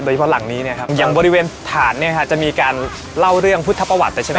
โดยเฉพาะหลังนี้เนี่ยครับอย่างบริเวณฐานเนี่ยค่ะจะมีการเล่าเรื่องพุทธประวัติใช่ไหมครับ